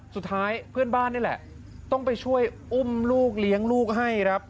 สุดท้ายเพื่อนบ้านนี่แหละต้องไปช่วยอุ้มลูกเลี้ยงลูกให้ครับ